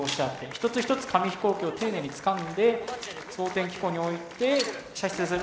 一つ一つ紙飛行機を丁寧につかんで装填機構に置いて射出する。